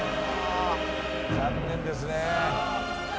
残念ですね。